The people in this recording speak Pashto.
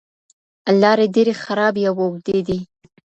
لارې ډېرې خرابې او اوږدې دي.